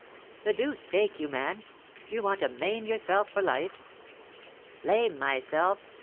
"The deuce take you, man! Do you want to maim yourself for life?" "Lame myself?"